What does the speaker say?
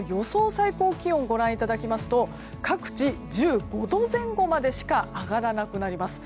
最高気温をご覧いただきますと各地１５度前後までしか上がらなくなります。